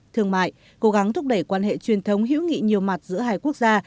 thương mại cố gắng thúc đẩy quan hệ truyền thống hữu nghị nhiều mặt giữa hai quốc gia